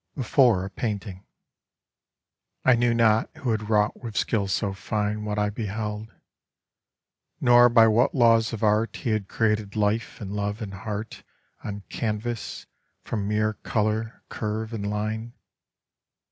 BEFORE A PAINTING I knew not who had wrought with skill so fine What I beheld; nor by what laws of art He had created life and love and heart On canvas, from mere color, curve and line.